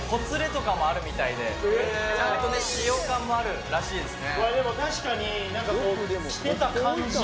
ちゃんとね使用感もあるらしいですね・